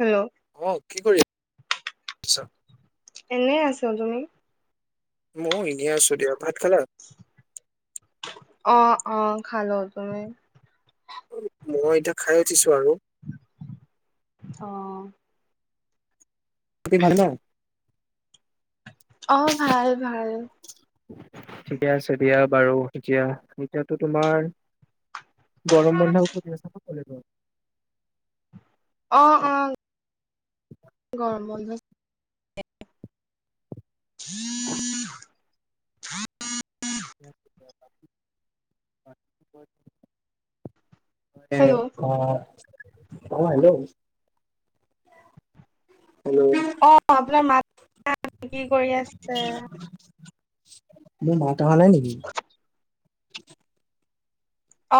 Hello অ কি কৰি আছ এনেই আছো তুমি মই এনেই আছো দেয়া ভাত খালা অ অ খালো উম মই এতিয়া খাই উঠিছো আৰু অ বাকি ভাল ন অ ভাল ভাল ঠিকে আছে দিয়া বাৰু এতিয়া এতিয়াতো তোমাৰ গৰম বন্ধ চ অ অ গৰম বন্ধ [inaudible] [inaudible] হেল্ল' অ অ হেল্ল' হেল্ল' অ আপোনাৰ মা কি কৰি আছে মোৰ মাট অহ নাই নেকি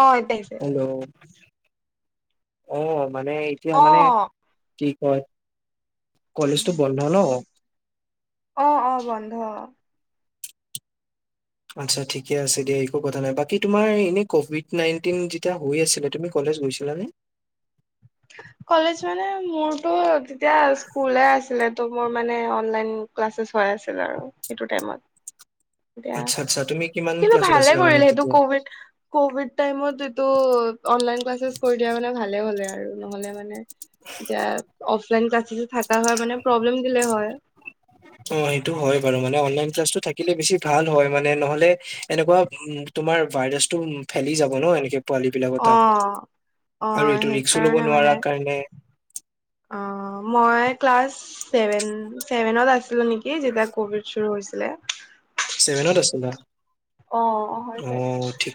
অ এতিয়া আহিছে অ অ মানে এতিয়া অ মানে কি হয় কলেজটো বন্ধ ন অ অ বন্ধ আচ্ছা ঠিকে আছে দিয়া একো কথা নাই বাকী তোমাৰ এনে কভিড নাইনটিন যেতিয়া হৈ আছিলে তুমি গৈছিলা নে কলেজ মানে মোৰটো তেতিয়া স্কুল আছিলে মোৰ মানে অনলাইন ক্লাচেচ হৈ আছিল আৰু সেইটো টাইমত এতিয়া আচ্ছা আচ্ছা তুমি কিমান কিন্তু ক্লাছত ভালে আছিলা মানে কৰিলে সেইটো তেতিয়া কভিড কভিড টাইমত এইটো অনলাইন ক্লাছ কৰি দিয়া মানে ভালে হলে আৰু নহলে মানে এতিয়া অফলাইন ক্লাছছ থাকা হয় মানে প্ৰব্লেম দিলে হয় অ সেইটো হয় বাৰু মানে অনলাইন ক্লাছটো থাকিলে বেছি ভাল হয় মানে নহলে এনেকুৱা তোমাৰ ভাইৰাছটো উ ফেলি যাব ন এনেকে পোৱালী বিলাকৰ অ তাত অ আৰু এইটো ৰিক্সু ল'ব সেইকাৰণে মানে নোৱাৰা কাৰণে অ মই ক্লাছ ভেন ছেভেনত আছিলো নেকি যেতিয়া কভিড চুৰো হৈছিলে ছেভেনত আছিলা অ হয় অ চাগে। ঠিক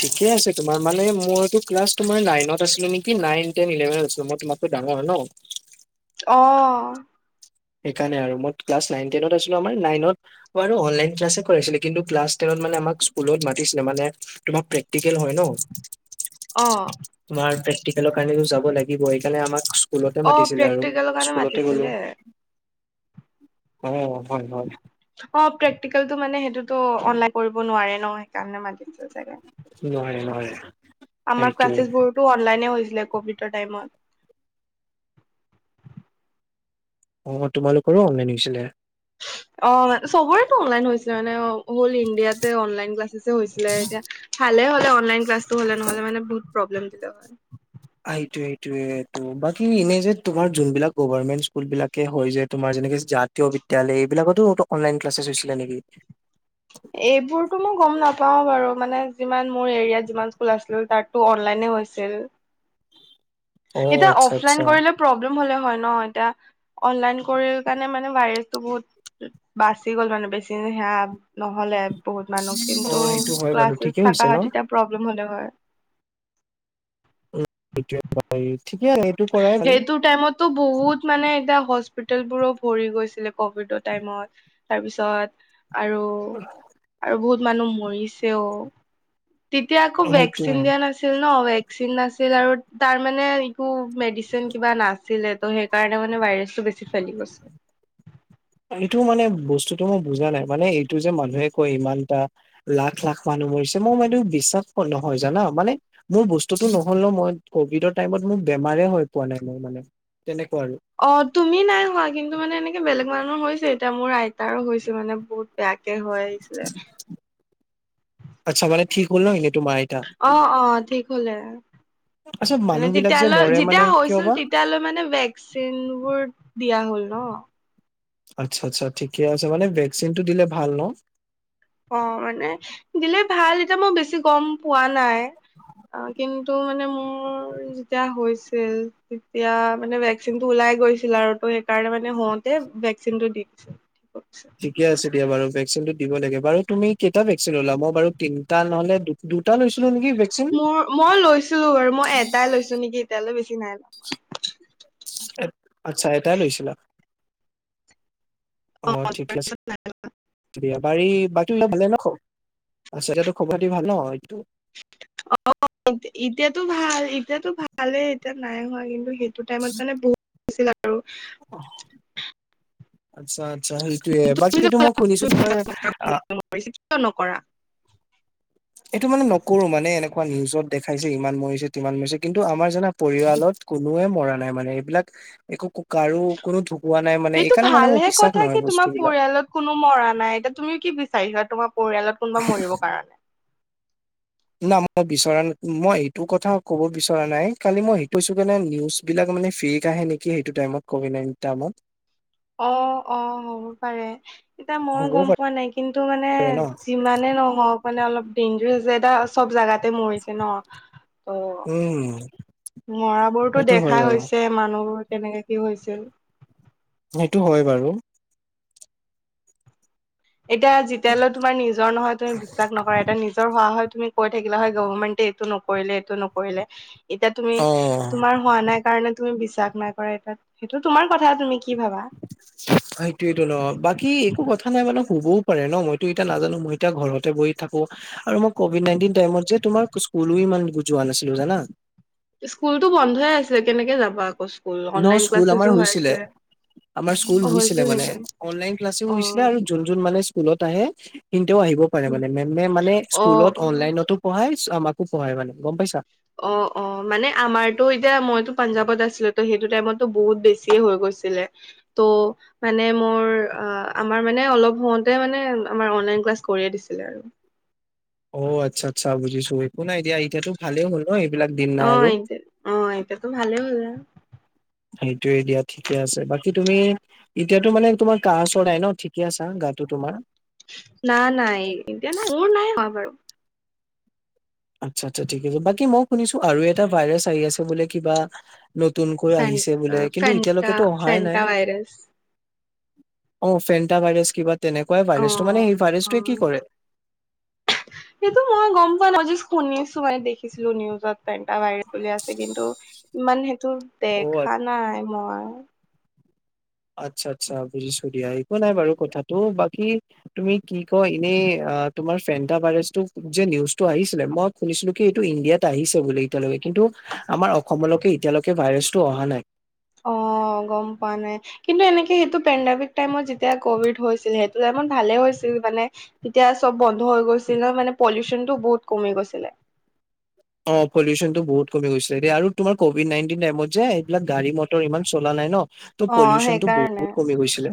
ঠিকে আছে তোমাৰ মানে মইতো ক্লাছ নাইনত আছিলো নেকি নাইন টেন ইলেভেনত আছিলো মই তোমাত কৈ ডাঙৰ হয় ন অ সেইকাৰণে আৰু মই ক্লাছ নাইন টেনত আছিলো আমাৰ নাইনত অনলাইন ক্লাছ কৰাইছিলে কিন্তু ক্লাছ টেনত মানে আমাক স্কুলত মাতিছিলে মানে তোমাৰ প্ৰেক কেল হয় ন অ তোমাৰ টিকেলৰ কাৰণে যাব লাগিব সেইকাৰণে আমাক স্কুলতে অ মাতিছিলে আৰু প্ৰেক্টিকেলৰ কাৰণে স্কুলতে মাতিছিলে। গ'লো অ হয় হয় অ প্ৰেক্টিকেলটো মানে সেইটোতো অনলাইন কৰিব নোৱাৰে ন সেইকাৰণে মাতিছিল চাগে নোৱাৰে নোৱাৰে আমাৰ সেইটোৱে ক্লাছেছ বোৰতো অনলাইনে হৈছে কভিডৰ টাইমত অ তোমালোকৰো অনলাইন হৈছিলে অ মান চবৰেটো অনলাইন হৈছে মানে অ হ'ল ইণ্ডিয়াতে অনলাইন ক্লাছেছ হৈছিলে এতিয়া ভালে হ'লে অনলাইন ক্লাছটো হ'লে নহ'লে মানে বহুত প্ৰব্লেম হলে হয় এইটো টোয়েইটো এই বাকী এনে যে তোমাৰ যোনবিলাক গভমেন্ট স্কুল বিলাকে হয় যে তোমাৰ যেনেকে জাতীয় বিদ্যালয় এইবিলাকতো অনলাইন ক্লাছছ হৈছিলে নেকি এইবোৰতো মই গম নাপাওঁ বাৰু মানে যিমান মোৰ এৰিয়াত যিমান স্কুল আছিলো তাতো অনলাইনে হৈছিল অ এতিয়া আচ্ছা অফলাইন আচ্ছা কৰিলে প্ৰব্লেম হলে হয় ন এতিয়া অনলাইন কৰি কাৰণে মানে ভাইৰাছটো বহুত বাচি গ'ল মানে বেছি সেয়া নহলে বহুত মানুহ অ কিন্তু সেইটো হয় বাৰু ক্লাছেছ ঠিকে হৈছে থকা ন হয় তেতিয়া প্ৰব্লেম হলে হয় [unintelligible] এইটো কৰাই ভাল সেইটো টাইমততো বহুত মানে এতিয়া হস্পিতেলবোৰো ভৰি গৈছিলে কভিডৰ টাইমত তাৰপিছত আৰু আৰু বহুত মানুহ মৰিছেও তেতিয়া আকৌ সেইটোৱে ভেকচিন দিয়া নাছিল ন ভেকচিন নাছিল আৰু তাৰ মানে মেডিচিন কিবা নাছিলে ত সেইকাৰণে মানে ভাইৰাছটো বেছি ফেলি গৈছে এইটো মানে বস্তুতটো মই বুজা নাই মানে এইটো যে মানুহে কয় ইমান এটা লাখ লাখ মানুহ মই বিশ্বাস নহয় জানা মানে মোৰ বস্তুতটো নহ'ল ন মই কভিডৰ টাইমত মোৰ বেমাৰে হৈ পোৱা নাই মোৰ মানে তেনেকে অ তুমি নাই হোৱা কিন্তু মানে এনেকে বেলেগ মানুহৰ হৈছে এতিয়া মোৰ আইতাৰো হৈছে মানে বহুত বেয়াকে হৈ আহিছিলে আচ্ছা মানে ঠিক হল না অ অ ঠিক হলে আচ্ছা মানে মানুহ বিলাক যে তেতিয়ালৈ মৰে মানে যেতিয়া কিয় হৈছিল বা তেতিয়ালৈ মানে ভেকচিনবোৰ দিয়া হ'ল ন আচ্ছা আচ্ছা ঠিকে আছে মানে ভেকচিনটো দিলে ভাল ন অ মানে দিলে ভাল এতিয়া মই বেছি গম পোৱা নাই কিন্তু মানে মোৰ যেতিয়া হৈছিল তেতিয়া মানে ভেকচিনটো ওলাই গৈছিল আৰু ত সেইকাৰণে মানে হওঁতে ভেকচিনটো দি দিছিল ঠিকে আছে দিয়া বাৰু ভেকচিনটো দিব লাগে বাৰু তুমি কেইটা ভেকচিন ললা মই বাৰু তিনিটা নহলে দুটা লৈছিলো নেকি ভেকচিন মোৰ মই লৈছিলো বাৰু মই এটাই লৈছো নেকি এতিয়ালৈ বেছি কি নাই আচ্ছা এটাই লৈছিলা অ ঠিকে আছে বাৰী বাকী ভালে ন খবৰ খাতি ভাল ন এইটো অ এতিয়াতো ভাল এতিয়াতো ভালে এতিয়া নাই হোৱা কিন্তু সেইটো টাইমত মানে বহুত আছিল আৰু আচ্ছা আচ্ছা সেইটোয়ে বাকী তুমি যে এইটো মই শুনিছো তোমাৰ আহ কৰা এইটো মানে নকৰো মানে এনেকোৱা নিউজত দেখাইছে ইমান মৰিছে তিমান মৰিছে কিন্তু আমাৰ জানা পৰিয়ালত কোনোৱে মৰা নাই মানে এইবিলাক একো কাৰো কোনো ঢুকোৱা নাই মানে সেইটো এইকাৰণে মানে ভাল মোৰ হে বিশ্বাস কথা নহয় কি তোমাৰ বস্তুবিলাক পৰিয়ালত কোনো মৰা নাই এতিয়া তুমি কি কি বিচাৰিছ তোমাৰ পৰিয়ালত কোনোবা মৰিব কাৰণে না মই বিচৰা ন মই এইটো কথা ক'ব বিচৰা নাই কালি মই সেইটো কৈছো কেনে নিউজ বিলাক মানে ফ্ৰীত আহে নেকি সেইটো টাইমত কভিড নাইটিন টাইমত অ অ হ'ব পাৰে এতিয়া মই হ'বও গম পোৱা নাই কিন্তু মানে পাৰে ন যিমানে নহওক মানে অলপ ডেইনজাৰ যে এটা চব জেগাতে মৰিছে ন ত উম মৰাবোৰতো সেইটো হয় দেখাই বাৰু হৈছে মানুহবোৰ কেনেকে কি হৈছিল সেইটো হয় বাৰু এতিয়া যেতিয়ালৈ তোমাৰ নিজৰ নহয় তুমি বিশ্বাস নকৰা এতিয়া নিজৰ হোৱা হয় তুমি কৈ থাকিলা হয় গভমেন্টে এইটো নকৰিলে এইটো নকৰিলে এতিয়া তুমি অ তোমাৰ হোৱা নাই কাৰণে তুমি বিশ্বাস নাই কৰা এটা সেইটো তোমাৰ কথা তুমি কি ভাবা? এইটোৱে ন বাকী একো কথা নাই মানে শুবও পাৰে ন মইতো এতিয়া নাজানো মই এতিয়া ঘৰতে বহি থাকো আৰু মই কভিড নাইনটিন টাইমত যে তোমাৰ স্কুলো ইমান যোৱা নাছিলো জানা স্কুলতো বন্ধই আছে কেনেকে যাবা আকৌ স্কুল ন অনলাইন স্কুল আমাৰ ক্লাছেছো হৈ আছে হৈছিলে আমাৰ স্কুল হৈছিলে মানে অনলাইন ক্লাছও হৈছিলে অ', আৰু যোন যোন মানে স্কুলত আহে কিন্তু আহিব পাৰে মানে মেমে মানে অ', স্কুলত অনলাইনতো পঢ়াই আমাকো পঢ়াই মানে গম পাইছা। অ অ মানে আমাৰতো এতিয়া মইতো পাঞ্জাৱত আছিলো তো সেইটো টাইমতো বহুত বেছিয়ে হৈ গল ছিলে ত মানে মোৰ অ আমাৰ মানে অলপ হওঁতে মানে আমাৰ অনলাইন ক্লাছ কৰিয়ে দিছিলে আৰু অ আচ্ছা আচ্ছা বুজিছো একো নাই এতিয়া এতিয়াতো ভালেই হ'ল ন এইবিলাক দিন নাই অহ আৰু এতি অ এতিয়াতো ভালেই হ'ল আ সেইটোয়ে দিয়া ঠিকে আছে বাকী তুমি এতিয়াতো মানে তোমাৰ কাহ চৰ নাই ঠিকে আছা গাটো তোমাৰ নাই নাই এতিয়া নাই মোৰ নাই হোৱা বাৰু আচ্ছা আচ্ছা ঠিক আছে বাকী মই শুনিছো আৰু এটা ভাইৰাছ আহি আছে বোলে কিবা নতুনকৈ ফেন আহিছে বোলে কিন্তু ফেণ্টা এতিয়ালৈকেতো অহাই নাই ফেণ্টা ভাইৰাছ। অ ফেণ্টা ভাইৰাছ কিবা তেনেকোৱাই ভাইৰাছটো মানে অ', সেই ভাইৰাছটোৱে কি অ'। কৰে সেইটো মই গম পোৱা নাই মই জাষ্ট শুনিছো মানে দেখিছিলো নিউজত পেণ্টা ভাইৰাছ চলি আছে কিন্তু ইমান সেইটো অ' আ- দেখা নাই মই আচ্ছা আচ্ছা বুজিছো দিয়া একো নাই বাৰু কথাতো বাকি তুমি কি কয় এনে অ তোমাৰ ফেণ্টা ভাইৰাছটো যে নিউজটো আহিছিলে মই শুনিছিলো কি এইটো ইণ্ডিয়াত আহিছে বুলি এতিয়ালৈকে কি কিন্তু আমাৰ অসমলৈকে এতিয়ালৈকে ভাইৰাছটো অহা নাই অ অ গম পোৱা নাই কিন্তু এনেকে সেইটো পেনডমিক টাইমত যেতিয়া কভিড হৈছিল সেইটো টাইমত ভালে হৈছিল মানে তেতিয়া চব বন্ধ হৈ গৈছিল ন মানে পলিউচনতটো বহুত কমি গৈছিলে অ পলিউচনটো বহুত কমি গৈছে আৰু তোমাৰ কভিড নাইনটিন টাইমত যে এইবিলাক গাড়ী মটৰ ইমান চলা নাই ন ত' অ পলিউচন টো সেইকাৰণে বহুত কমি গৈছিলে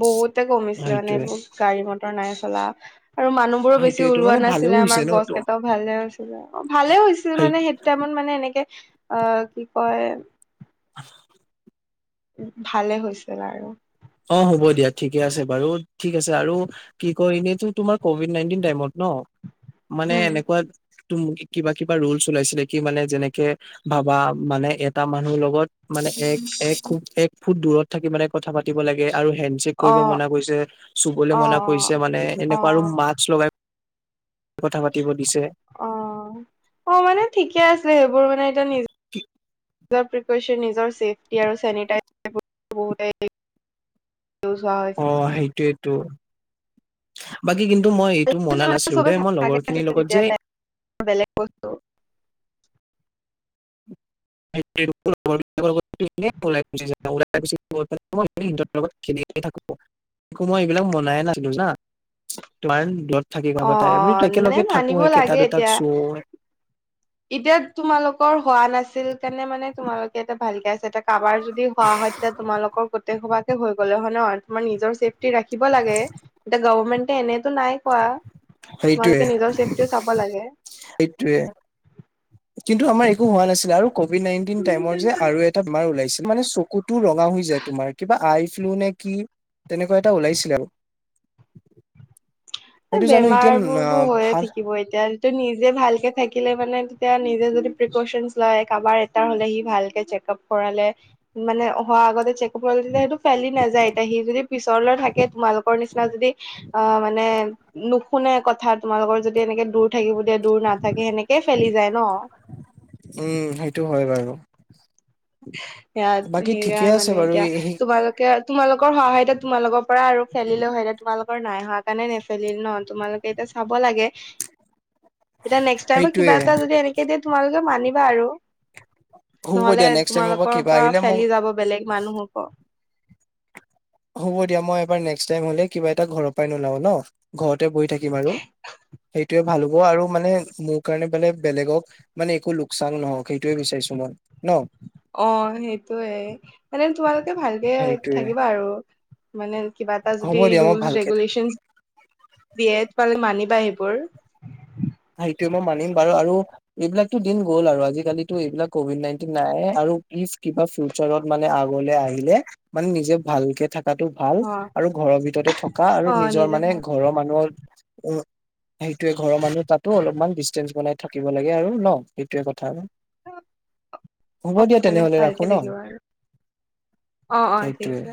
বহুতে কমিছিলে মানে সেইটোয়ে এইবোৰ গাড়ী মটৰ নাই চলা আৰু মানুহ বোৰো বেছি সেইটোয়েটো ওলোৱা মানে ভালো নাছিলে হৈছে আমাৰ ন গছ ত কেইটাও ভালে হৈছিলে ভালে হৈছিলে সেই মানে সেইটো টাইমত মানে এনেকে অ কি কয় [inaudible] ভালে হৈছিল আৰু অ হ'ব দিয়া ঠিকে আছে বাৰু ঠিক আছে আৰু কি কয় এনেইতো তোমাৰ কভিড নাইনটিন টাইমত ন মানে উম। এনেকুৱা তোম কিবা কিবা ৰোলচ ওলাইছিলে কি মানে যেনেকে ভাবা মানে এটা মানুহৰ লগত মানে এক এক এক ফুট দূৰত থাকি মানে কথা পাতিব লাগে। আৰু হেণ্ডছেক কৰিব অ', মনা কৰিছে চুবলৈ মনা কৰিছে অ', মানে এনেকুৱা আৰু অ', মাস্ক লগাই কথা পাতিব দিছে অ অ মানে ঠিকে আছিল সেইবোৰ মানে এতিয়া নিজ- নিজৰ প্ৰিপেয়চন নিজৰ ছেফটি আৰু চেনিতাই- বহুত [unintelligible] অ সেইটোৱেইতটো বাকী কিন্তু টো মই এইটো হৈছে মনা মানে নাছিলো চবে দেই মই চাফাকে লগৰ খিনিৰ আছিলে লগত তেতিয়া যে টাইম বেলেগ বস্তু [unintelligible] [unintelligible] একো মই এইবিলাক মনাই নাছিলো যানা তোমাৰ দূৰত থাকি অ', তাই আমো অ', মানে একেলগে থাকো মানিব এটা লাগে দুটাক এতিয়া। চুৰ এতিয়া তোমালোকৰ হোৱা নাছিল কাৰণে মানে তোমালোকে এটা ভালকে আছে এতিয়া কাৰবাৰ যদি হোৱা হয় তেতিয়া তোমালোকৰ গোটেই সোবাকে হৈ গ'লে হয় ন তোমাৰ নিজৰ চেফ ৰাখিব লাগে এতিয়া গভমেণ্টে এনে টো নাই কোৱা সেইটোয়ে তোমালোকে নিজৰ চেফটিও চাব লাগে সেইটোয়ে কিন্তু আমাৰ একো হোৱা নাছিলে আৰু কভিড নাইনটিন টাইমৰ যে আৰু এটা বেমাৰ ওলাইছিল মানে চকুতো ৰঙা হৈ যায় তোমাৰ কিবা আই ফ্লু নে কি তেনেকুৱা এটা ওলাইছিলে আৰু সেইটো জানো এতিয়া বেমাৰ ন বোৰতো হৈয়ে ভাল থাকিব এতিয়াটো নিজে ভালকে থাকিলে মানে তেতিয়া নি- নিজে যদি পেপেৰেচন লয় কাবাৰ এটা হলে ভালকে চেকাপ কৰালে মানে হোৱা আগতে ছেক ভল দিলে সেইটো ফেলি নাযায় এতিয়া সি যদি পিছৰলৈ থাকে তোমালোকৰ নিচিনা যদি অ মানে নুশুনে কথা তোমালোকৰ যদি এনেকে দূৰ থাকিব। দূৰ নাথাকে সেনেকেই ফেলি যায় উম সেইটো ন। হয় বাৰু ইয়াত বাকী ঠিকে সেইয়াই আছে মানে বাৰু এতিয়া তোমালোকে তোমালোকৰ সহায়ত তোমালোকৰ পৰা আৰু ফেলিলে হয় এ তোমালোকৰ নাই হোৱা কাৰণে নেফেলিল ন তোমালোকে এতিয়া চাব লাগে্ এতিয়া নেক্স টাইম সেইটোয়ে কিবা এটা যদি এনেকে দিয়ে তোমালোকে মানিবা আৰু সো কৈ নহলে দিয়া নেক তোমালোকৰ পৰা ফেলি যাব বেলেগ মানুহৰ ক হ'ব দিয়া মই এবাৰ নক্স টাই হলে কিবা এটা ঘৰৰ পৰাই নোলাওঁ ন ঘৰত ঘৰতে বহি থাকিম আৰু সেই- সেইটোৱে ভাল হ'ব আৰু মানে মোৰ কাৰণে বেলেগ বেলেগক মানে একো লোকচান নহওক সেইটোয়ে বিচাৰিছো ন মই ন অ সেইটোয়ে মানে তোমালোকে ভালকে সেইটোয়ে থাকিবা আৰু। মানে কিবা এটা হ'ব যদি দিয়া মই ৰুলচ ভালকে থাকিম ৰেগুলেশচন দিয়ে মানি বা সেইবোৰ মই সেইটোয়ে মানিম বাৰু আৰু এইবিলাকতো দিন গ'ল আৰু আজিকালিটো এইবিলাক কভিড নাইনটিন নাই আৰু পিছ কিবা ফিউচাৰত মানে আগলে আহিলে মানে নিজে ভালকে থা- তাতো ভাল অ আৰু ঘৰৰ ভিতৰতে থকা আৰু অ নিজৰ নিজে মানে ভাল ঘৰৰ মানুহৰ অ সেইটোয়ে ঘৰৰ মানুহে তাত ত অলপমান ডিচটেন্স বনাই থাকিব লাগে আৰু ন সেইটয়ে কথা আৰু হ'ব দিয়া মানে তেনেহ'লে ভালকে ৰাখোঁ ন। থাকিবা আৰু অ অ ঠিক সেইটোৱে আছে।